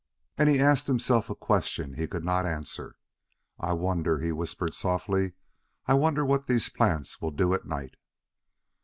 And he asked himself a question he could not answer: "I wonder," he whispered softly, " I wonder what these plants will do at night!"